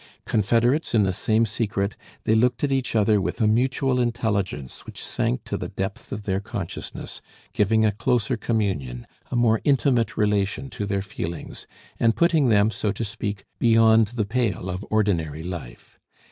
Confederates in the same secret, they looked at each other with a mutual intelligence which sank to the depth of their consciousness, giving a closer communion, a more intimate relation to their feelings, and putting them, so to speak, beyond the pale of ordinary life.